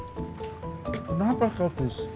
eh kenapa kak tis